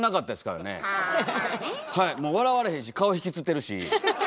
もう笑われへんし顔引きつってるし。